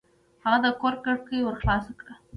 هغه د کور کړکۍ ورو خلاصه کړه.